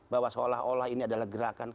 bahwa seolah olah ini adalah gerakan